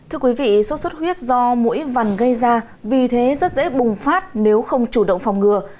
thưa quý vị sốt xuất huyết do mũi vằn gây ra vì thế rất dễ bùng phát nếu không chủ động phòng ngừa